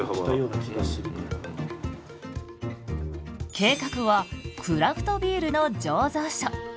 計画はクラフトビールの醸造所。